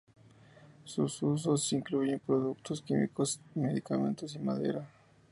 Sus usos incluyen productos químicos, medicamentos y madera.